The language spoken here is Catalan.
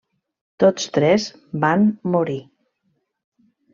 Tots tres van morir.